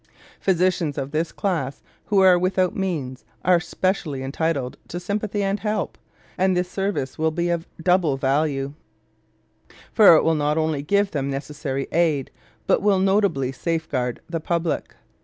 Physicians of this class who are without means are specially entitled to sympathy and help, and this service will be of double value, for it will not only give them necessary aid, but will notably safeguard the public.